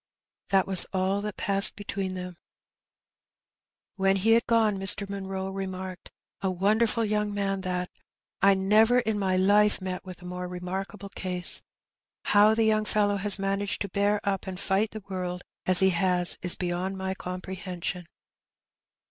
That was all that passed between them. When he had gone Mr. Munroe remarked, "A wonder ful young man that; I never in my Ufe met with a more remarkable case. How the young fellow has managed to bear up and fight the world as he has is beyond my com prehension."